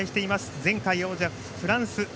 前回王者のフランス。